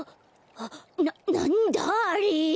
あっななんだあれ？